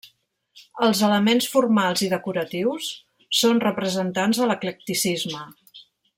Els elements formals i decoratius són representants de l'eclecticisme.